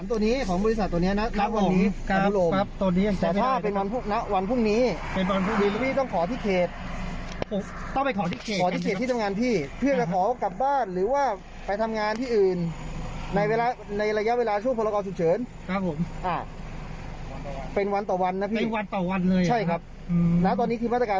ออกมาคือเป็นขอบินวันต่างวัน